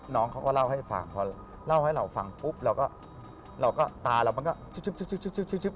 น้องเค้าก็เล่าให้ฟังเล่าให้เราฟังปุ๊บแล้วก็เราก็ตาเราก็ชึ๊บ